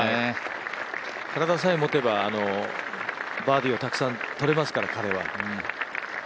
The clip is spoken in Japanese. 体さえもてばバーディーをたくさんとれますから、彼は。